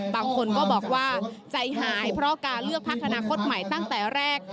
บางคนก็บอกว่าใจหายเพราะการเลือกพักอนาคตใหม่ตั้งแต่แรก